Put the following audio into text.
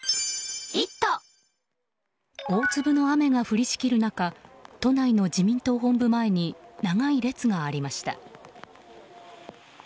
大粒の雨が降りしきる中都内の自民党本部前に長い列がありました。